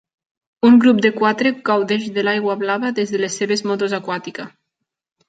Un grup de quatre gaudeix de l'aigua blava des de les seves motos aquàtica.